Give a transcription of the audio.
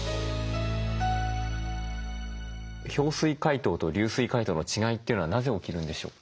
氷水解凍と流水解凍の違いというのはなぜ起きるんでしょうか？